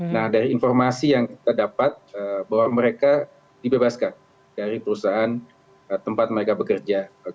nah dari informasi yang kita dapat bahwa mereka dibebaskan dari perusahaan tempat mereka bekerja